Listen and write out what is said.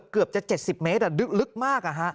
เกือบจะ๗๐เมตรลึกมาก